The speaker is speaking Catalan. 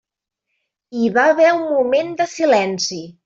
Hi va haver un moment de silenci.